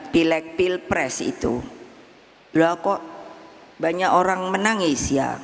pileg pilpres itu kok banyak orang menangis ya